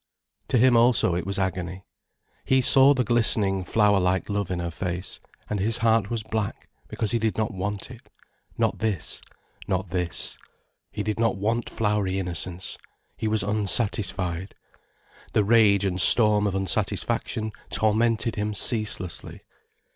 To him also it was agony. He saw the glistening, flower like love in her face, and his heart was black because he did not want it. Not this—not this. He did not want flowery innocence. He was unsatisfied. The rage and storm of unsatisfaction tormented him ceaselessly.